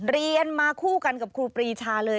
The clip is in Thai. เรียนมาคู่กันกับครูปรีชาเลย